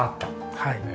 はい。